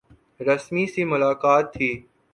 رسمی سی ملاقات تھی۔